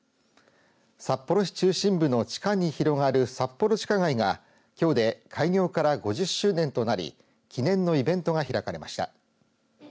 札幌市中心部の地下に広がるさっぽろ地下街がきょうで開業から５０周年となり記念のイベントが開かれました。